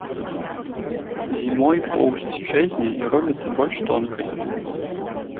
Зімой поўсць чэзне і робіцца больш тонкай.